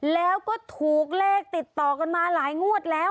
แล้วก็ถูกเลขติดต่อกันมาหลายงวดแล้ว